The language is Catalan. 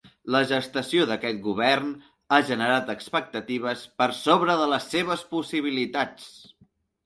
La gestació d’aquest govern ha generat expectatives per sobre de les seves possibilitats.